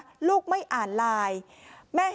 กลุ่มตัวเชียงใหม่